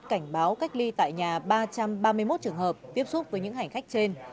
cảnh báo cách ly tại nhà ba trăm ba mươi một trường hợp tiếp xúc với những hành khách trên